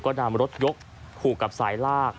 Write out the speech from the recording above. ก็นำรถยกผูกกับสายลาก